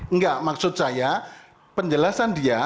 enggak maksud saya penjelasan dia